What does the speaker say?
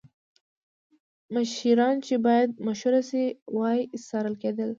مشیران چې باید مشوره شوې وای څارل کېدل